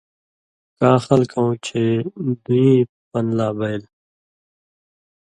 کاں خلکؤں چے دوییں پن لا بئ تھہ